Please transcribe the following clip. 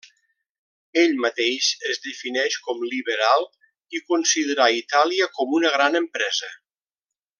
Ell mateix es defineix com liberal i considera Itàlia com una gran empresa.